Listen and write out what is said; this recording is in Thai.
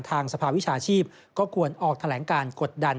สภาวิชาชีพก็ควรออกแถลงการกดดัน